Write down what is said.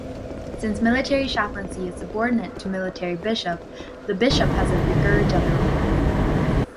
Since military chaplaincy is subordinate to a military bishop, that bishop has a vicar general.